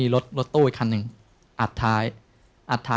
รถกระบะ